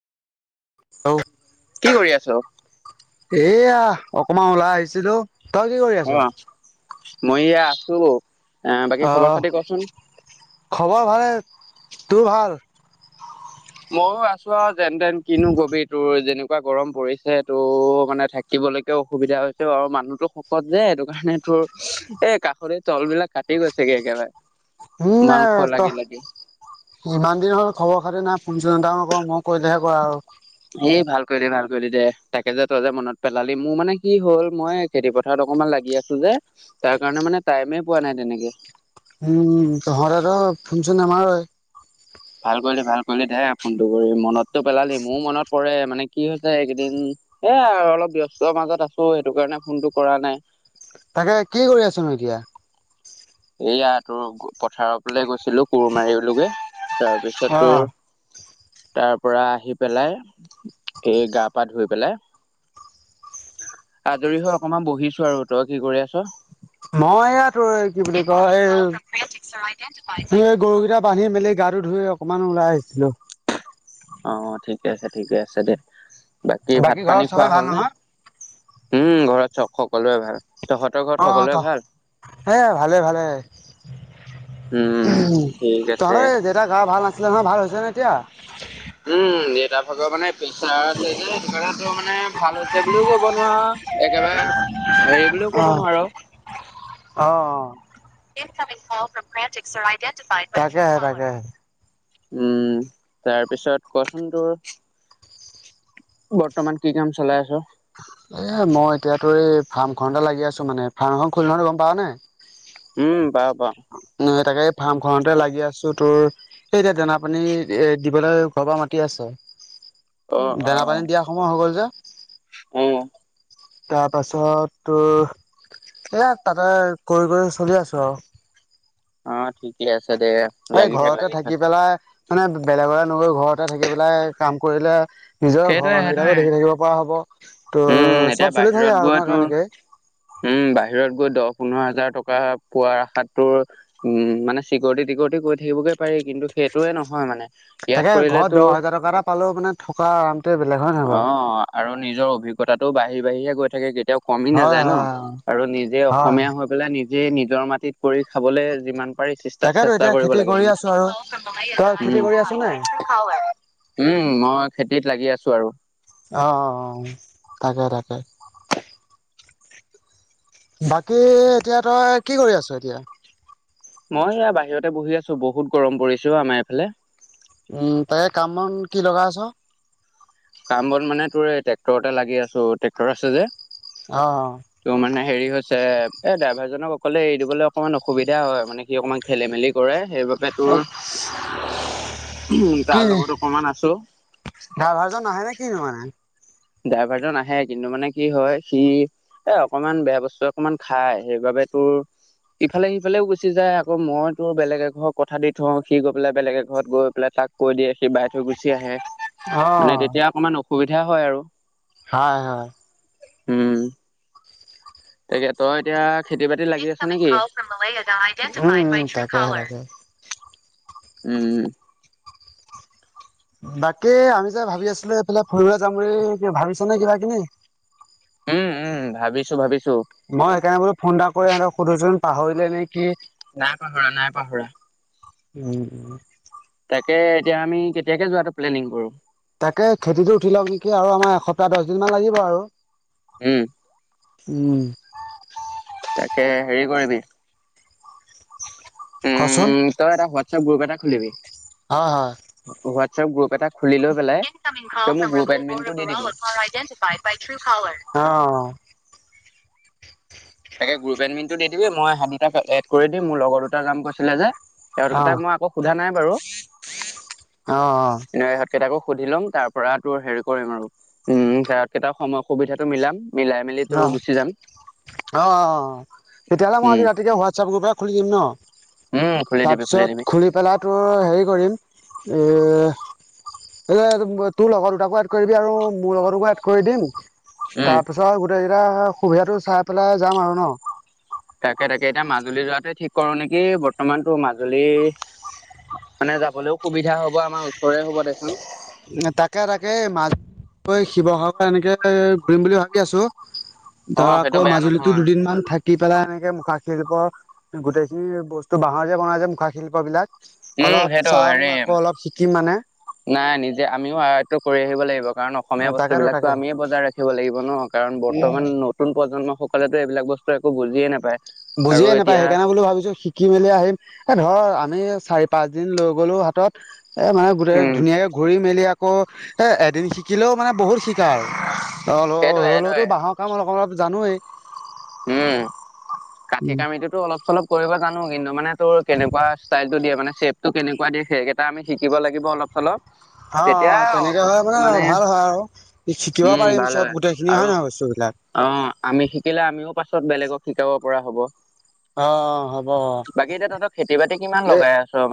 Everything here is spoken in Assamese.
হেল্ল' কি কৰি আছ। এয়া অকমান উলাই আহিছিলোঁ তই কি কৰি আছ? অ মই এয়া আছো এ বাকী খবৰ অহ খাতি কচোন? খবৰ ভালে তোৰ ভাল। ময়ও আছো আৰু যেন-তেন কিনো কবি তোৰ যেনেক কা গৰম পৰিছে, তোৰ মানে থাকিবলৈকে অসুবিধা হৈছে আৰু মানুহতো শকত যে এইটো কাৰণে তোৰ এ কাষলতি তল বিলাক কাটি গৈছেগে একেবাৰে। মাংস লাগি লাগি। [unintelligible] ইমান দিন হল খবৰ-খাতি নাই, ফোন-চোন এটাও নকৰ মই কৰিলেহে কৰ আও। এ ভাল কৰিলি ভাল কৰিলি দে তাকে যে তই যে মনত পেলালি। মোৰ মানে কি হ'ল মই খেতি-পথাৰত অকমান লাগি আছো যে, তাৰ কাৰণে মানে টাইমে পোৱা নাই তেনেকে। উম, তহঁতেটো ফোন-চোন নামাৰই। ভাল কৰিলি ভাল কৰিলি দে ফোনটো কৰি মনততো পেলালি, মোৰ মনত পৰে মানে কি হৈছে এইকেইদিন। এ অলপ ব্যস্ত মাজত আছো সেইটো কাৰণে ফোনটো কৰা নাই‌। তাকে কি কৰি আছনো এতিয়া? এইয়া তোৰ পথাৰফেলে গৈছিলো কোৰ মাৰিলোগে। অ তাৰপিছত তোৰ তাৰপৰা আহি পেলাই এই গা-পা ধুই পেলাই। আজৰি হৈ অকমান বহিছো আৰু। তই কি কৰি আছ? মই এইয়া তোৰ কি বুলি কয় এই গৰুকেইটা বান্ধি মেলি গাটো ধুই অকনমান ওলাই আহিছিলো। অ' ঠিকে আছে ঠিকে আছে দে! বাকী ভাত পানী ঘৰত চবে খোৱা ভাল হ'লনে‌? নহয় উম, ঘৰত সকলোৰে ভাল। তহঁত? অ' এ ভালে ভালে। উম ঠিক তহঁত আছে এই দেতা গা ভাল নাছিলে নহয়, ভাল হৈছে নে এতিয়া? উম, দেতাৰ ভাগৰ মানে পেচাৰ আছে যে সেইটো কাৰণে তোৰ মানে ভাল হৈছে বুলিও নোৱাৰো‌। একেবাৰে হেৰি বুলিও কব নোৱাৰ। অ' অ'। [inaudible] তাকে তাকে! উম, তাৰ পিছত কচোন তোৰ বৰ্তমান কি কাম চলাই আছ? এ মই এতিয়াতো এই ফাৰ্মখনতে লাগি আছো মানে। ফাৰ্ম এখন খুলিলো নহয় গম পাৱ নে? উম, পাওঁ পাওঁ। তাকে ফাৰ্ম খনতে লাগি আছো তোৰ। সেই এতিয়া দানা-পানী এ দিবলৈ ঘৰৰ পৰা মাতি আছে। অ', দানা-পানী দিয়া সময় হয় গ'ল যে। অঁ। তাৰ পাছত তোৰ এয়া তাকে কৰি কৰি চলি আছো আও। অ' ঠিকে আছে দে! এই লাগি থাক ঘৰতে লাগি থাক। থাকি পেলাই বেলেগলে নগৈ ঘৰতে থাকি পেলাই কাম কৰিলে নিজৰ ঘৰৰ সেইটোৱে মানুহকেইটাকো সেইটোৱে দেখি থাকিব পৰা হ'ব, তহ উম, এতিয়া চব চলি থাকে বাহিৰত আৰু গৈ নহ তোৰ তেনেকে। উম, বাহিৰত গৈ দহ-পোন্ধৰ হাজাৰ টকা পোৱাৰ আশাত তোৰ উম, মানে চিকৰিটি-টিকৰিটি কৰি থাকিবগে পাৰি, কিন্তু সেইটোয়ে নহয় মানে। ইয়াত তাকে কৰিলে ঘৰত দহ তোৰ হাজাৰ টকা এটা পালও মানে থকা আৰামটোৱে বেলেগ হয়। নহয় বাৰু? অ' আৰু নিজৰ অভিজ্ঞতাটো বাঢ়ি-বাঢ়িহে গৈ থাকে। কেতিয়াও কমি হয় নাযায় ন? হয় আৰু নিজে অসমীয়া হয় পেলাই নিজে নিজৰ মাটিত কৰি খাবলে যিমান পাৰি তাকেতো চেষ্টা-চেষ্টা এতিয়া কৰিব খেতি লাগে কৰি মানে। আছো আৰু। তই খেতি উম! কৰি আছ নে? উম, মই খেতিত লাগি আছো আৰু। অ' অ' অ' তাকে তাকে! বাকী এতিয়া তই কি কৰি আছ এতিয়া? মই এয়া বাহিৰতে বহি আছো বহুত গৰম পৰিছো আমাৰ এইফালে। উম' তাকে কাম বন কি লগাই আছ? কাম বন মানে তোৰ এই ট্ৰেক্টৰতে লাগি আছো ট্ৰেক্টৰ আছে যে। অঁ অঁ ত' মানে হেৰি হৈছে এ ড্ৰাইভাৰ জনক অকলে এৰি দিবলে অকমান অসুবিধা হয়, মানে সি অকমান খেলি মেলি- কৰে সেইবাবে অ তোৰ উম কি তাৰ লগত অকমান আছো। ড্ৰাইভাৰজন নাহে নে কিনো মানে? ড্ৰাইভাৰজন আহে, কিন্তু মানে কি হয় সি- এ অকমান বেয়া বস্তু অকমান খায়, সেইবাবে তোৰ- ইফালে সিফালেও গুচি যায় আকৌ মই তোৰ বেলেগ এক ঘৰৰ কথা দি থওঁ, সি গৈ পেলাই বেলেগ এক ঘৰত গৈ পেলাই তাক- কৈ দিয়ে সি বাই থৈ গুচি আহে, অ মানে তেতিয়া অকমান অসুবিধা হয় আৰু। হাঁয় হাঁয়। উম' তাকে, তই এতিয়া- খেতি বাতি লাগি আছ নেকি উম উম', তাকে তাকে। উম উম'। বাকী আমি যে ভাবি আছিলো সেইফালে ফুৰিৱলে যাম বুলি ভাবিছ নে কিবা কিনি? উম উম' ভাবিছো ভাবিছো। মই সেইকাৰণে বোলো ফোন এটা কৰি সিহঁতক সুধো চোন পাহৰিলে নে কি? নাই পাহৰা নাই পাহৰা। উম উম'। তাকে এতিয়া আমি কেতিয়াকে যোৱাটো প্লেনিং কৰো? তাকে খেতিটো উঠি লওক নেকি, আৰু আমাৰ এসপ্তাহ দহ দিন মান লাগিব আৰু। উম। উম। তাকে, হেৰি কৰিবি? কচোন উম' তই এটা হোৱাট্ছআপ গ্ৰুপ এটা খুলিবি। হয় হয়। [unintelligible] হোৱাটছএপ গ্ৰুপ এটা খুলি লৈ পেলাই তই মোক গ্ৰুপ এডমিনটো দি দিবি অঁ অঁ। তাকে গ্ৰুপ এডমিনটো দি দিবি মই সেট দুটা এড কৰি দিম মোৰ লগৰ দুটা যাম কৈছিলে যে। আৰু তাক মই আকৌ সোধা নাই বাৰু। অঁ অঁ। এনে ইহঁতকেইটাকো সুধি ল'ম তাৰ পৰা তোৰ হেৰি কৰিম আৰু- উম' তেঁহকেইটা সময় সুবিধাটো মিলাম, মিলাই মেলি তোৰ গুচি যাম। অঁ অঁ, তেতিয়াহ'লে মই আজি উম ৰাতিকে হোৱাটছেপ গ্ৰুপ এটা খুলি দিম ন। উম খুলি দিবি তাপিছত দিবি খুলি পেলাই তোৰ হেৰি কৰিম? এএ- এলে তোৰ লগৰ দুটাকো এড কৰিবি আৰু মোৰ লগৰ টোকো এড কৰি দিম। উম তাৰ পিছত গোতেইগিটা সুবিধাটো চাই পেলাই যাম আৰু ন। তাকে তাকে, এতিয়া মাজুলী যোৱাটোৱে ঠিক কৰো নেকি? বৰ্তমানটো মাজুলী- মানে যাবলৈও সুবিধা হ'ব আমাৰ ওচৰে হ'ব দেচোন। তাকে তাকে, মাজ শিৱসাগৰ এনেকে ঘূৰিম বুলি ভাবি আছো। অ ধৰা সেইটো আকৌ বেয়া মাজুলীটো নহয় দুদিনমান থাক- কি পেলাই এনেকে মুখা শিল্প গোটেইখিনি বস্তু বাঁহৰ যে বনাই যে মুখা শিল্প বিলাক। উম অলপ সেইটো চাম হেৰি আকৌ অলপ শিকিম মানে। নাই নিজে আমিও সহায়টো কৰি আহিব লাগিব। কাৰণ অসমীয়া তাকেতো বস্তুবিলাকটো তাকে আমিয়ে বজাই ৰাখিব লাগিব ন। কাৰণ বৰ্তমান নতুন প্ৰজন্ম সকলেতো এইবিলাক বস্ত একো বুজিয়ে নাপায়। আৰু বুজিয়ে নাপায়, এতিয়া সেইকাৰণে বুলি ভাবিছো শি থাকি মেলি আহিম, এ ধৰ আমি চাৰি-পাঁচ দিন লৈ গ'লো হাতত এ মানে গোটেই উম ধুনীয়াকে ঘূৰি মেলি আকৌ এ এদিন শিকিলও মানে বহুত শিকা হয়, সেইটোৱে সেইটোৱে [unintelligible] বাঁহৰ কাম অলপ অলপ জানোৱেই। উম কাঠি-কামিতো অলপ-চলপ কৰিব জানো। কিন্তু মানে তোৰ কেনেকুৱা ষ্টাইলত দিয়ে মানে চেপটো কেনেকুৱা দিয়ে, সেইকেইটা আমি শিকিব লাগিব অলপ-চলপ। অ' অ' তেনেকে হলে মানে ভাল হয় আৰু। শিকিব উম পাৰিম ভাল হয় চব গোটেইখিনি। আৰু হয় নহয় বস্তু বিলাক? অ' আমি শিকিলে আমিও পাছত বেলেগক শিকাব পৰা হব। অ' অ', হ'ব অ'। বাকী এতিয়া তহঁতৰ খেতি-বাতি কিমান লগাই আছ?